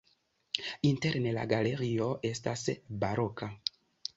Interne la galerio estas baroka.